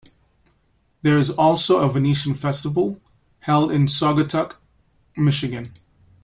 There is also a Venetian Festival held in Saugatuck, Michigan.